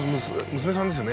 「娘さんですよね？」